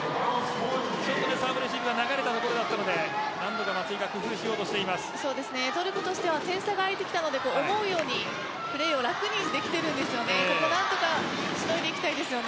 ちょっとサーブレシーブが流れたボールだったので何とか松井がトルコとしては点差が開いてきたので思うように楽にプレーできているのでここを何とかしのいでいきたいです。